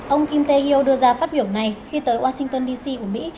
ông kim tae hyo đưa ra phát biểu này khi tới washington dc của mỹ